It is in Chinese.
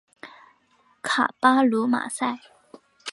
卡巴卢马塞。